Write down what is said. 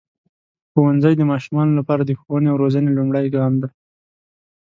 ښوونځی د ماشومانو لپاره د ښوونې او روزنې لومړنی ګام دی.